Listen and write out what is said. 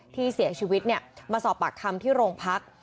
ที่เสียชีวิตมาสอบปากคำที่โรงพัก